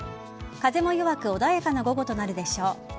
風も弱く穏やかな午後となるでしょう。